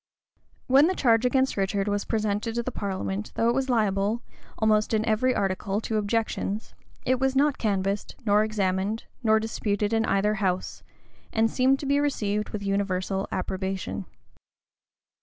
When the charge against Richard was presented to the parliament, though it was liable, almost in every article, to objections, it was not canvassed, nor examined, nor disputed in either house, and seemed to be received with universal approbation.